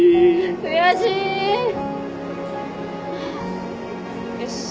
悔しい！よし。